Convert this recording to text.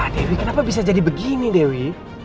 dewi kenapa bisa jadi begini dewi